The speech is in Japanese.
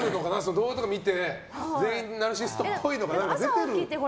動画とか見て全員ナルシストっぽいって。